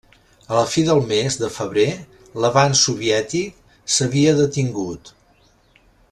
A la fi del mes de febrer l'avanç soviètic s'havia detingut.